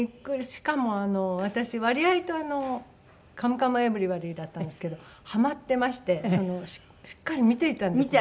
しかも私割合と『カムカムエヴリバディ』だったんですけどハマってましてしっかり見ていたんですね。